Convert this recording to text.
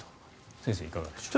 先生、いかがでしょうか。